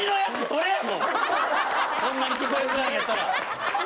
そんなに聞こえづらいんやったら。